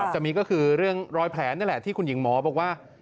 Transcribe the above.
จะมีก็คือเรื่องรอยแผลนี่แหละที่คุณหญิงหมอบอกว่า